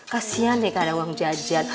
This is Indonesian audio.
kasian deh gak ada uang jajan